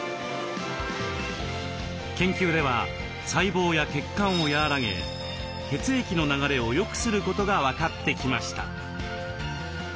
研究では細胞や血管を和らげ血液の流れをよくすることが分かってきました。